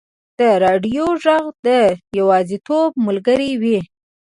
د راډیو ږغ د یوازیتوب ملګری وي.